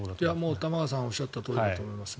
玉川さんがおっしゃったとおりだと思いますね。